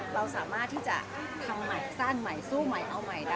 เราสามารถที่จะทำใหม่สร้างใหม่สู้ใหม่เอาใหม่ได้